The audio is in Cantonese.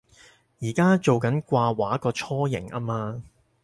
而家做緊掛畫個雛形吖嘛